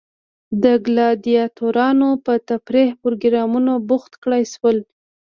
د ګلادیاتورانو په تفریحي پروګرامونو بوخت کړای شول.